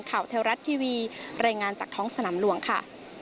เทวรัฐทีวีรายงานจากท้องสนามหลวงค่ะ